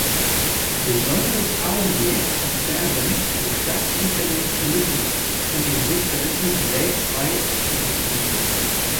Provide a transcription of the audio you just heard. Besonderes Augenmerk liegt darin, dem Staatsinterventionismus und dem Sozialismus weltweit Einhalt zu gebieten.